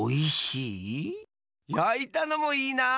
やいたのもいいな！